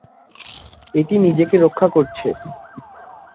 এটি নিজেকে রক্ষা করছে।